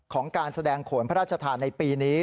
ของการแสดงโขลรพระราชทธารณ์ในปีนี้